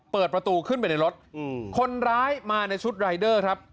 เปิดประตูขึ้นไปในรถคนร้ายมาในชุดรายเดอร์ครับ